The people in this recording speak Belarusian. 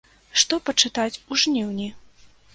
Што пачытаць у жніўні?